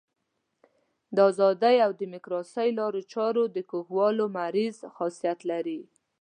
د ازادۍ او ډیموکراسۍ لارو چارو د کږولو مریض خاصیت لري.